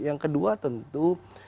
yang kedua tentu